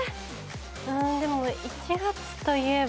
でも１月といえば。